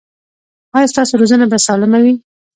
ایا ستاسو روزنه به سالمه وي؟